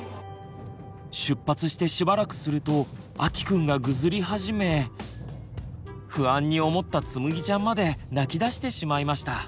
出発してしばらくするとあきくんがぐずり始め不安に思ったつむぎちゃんまで泣きだしてしまいました。